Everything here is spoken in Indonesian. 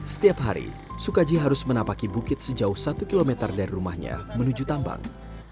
setiap hari sukaji harus menapaki bukit sejauh satu km dari rumahnya menuju tambang